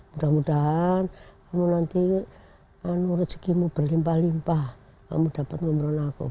mudah mudahan kamu nanti rezekimu berlimpah limpah kamu dapat umroh aku